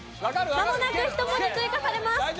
まもなく１文字追加されます。